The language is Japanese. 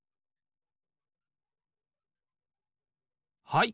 はい。